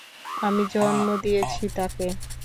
আমি জন্ম দিয়েছি তাকে।